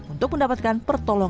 untuk mendapatkan pertolongan medis